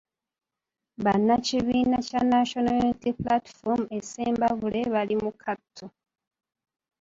Bannakibiina kya National Unity Platform e Ssembabule bali mu kattu.